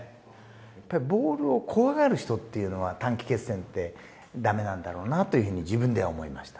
やっぱりボールを怖がる人っていうのは短期決戦ってダメなんだろうなという風に自分では思いました。